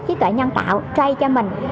trí tuệ nhân tạo trade cho mình